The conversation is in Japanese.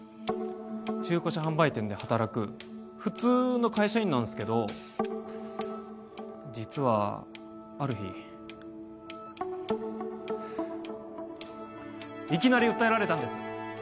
中古車販売店で働く普通の会社員なんすけど実はある日いきなり訴えられたんです